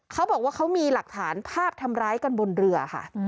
เขาบอกว่าเขามีหลักฐานภาพทำร้ายกันบนเรือค่ะ